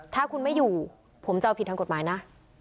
ถ้าคุณไม่อยู่ผมจะเอาผิดทางกฎหมายนะ